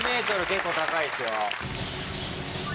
４ｍ結構高いですよ